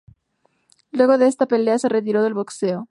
Luego de esta pelea se retiró del boxeo.